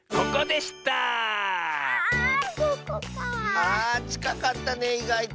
あちかかったねいがいと。